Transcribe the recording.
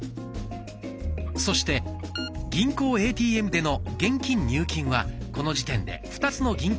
そして銀行ＡＴＭでの現金入金はこの時点で２つの銀行でできます。